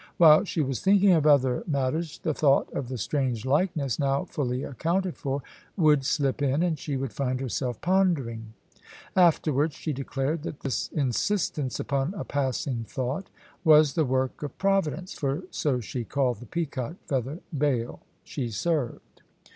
While she was thinking of other matters, the thought of the strange likeness now fully accounted for would slip in, and she would find herself pondering. Afterwards she declared that this insistence of a passing thought was the work of Providence, for so she called the peacock feather Baal she served.